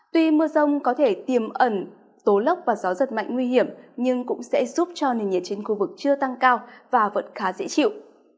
tuy mưa rông có thể tiềm ẩn tố lốc và gió giật mạnh nguy hiểm nhưng cũng sẽ giúp cho nền nhiệt trên khu vực chưa tăng cao và vẫn khá dễ chịu